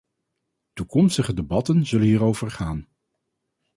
Toekomstige debatten zullen hierover gaan.